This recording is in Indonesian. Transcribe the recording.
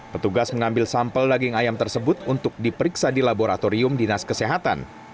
petugas mengambil sampel daging ayam tersebut untuk diperiksa di laboratorium dinas kesehatan